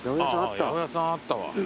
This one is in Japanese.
八百屋さんあったわ。